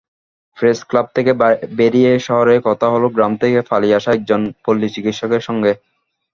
Press club থেকে বেরিয়ে শহরেই কথা হলো গ্রাম থেকে পালিয়ে আসা একজন পল্লিচিকিৎসকের সঙ্গে।